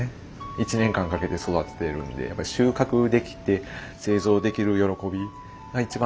１年間かけて育てているんでやっぱり収穫できて製造できる喜びが一番